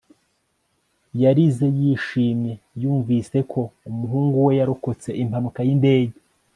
yarize yishimye yumvise ko umuhungu we yarokotse impanuka y'indege